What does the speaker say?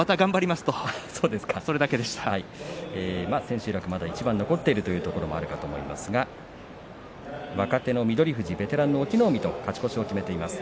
まあ千秋楽まだ一番残っているというところもあると思いますが若手の翠富士、そしてベテランの隠岐の海と勝ち越しを決めています。